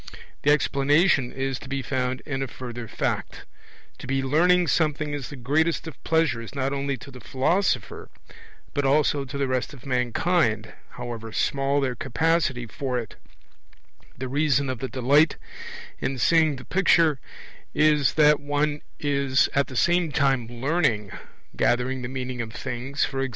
The explanation is to be found in a further fact: to be learning something is the greatest of pleasures not only to the philosopher but also to the rest of mankind, however small their capacity for it; the reason of the delight in seeing the picture is that one is at the same time learning gathering the meaning of things, e.g.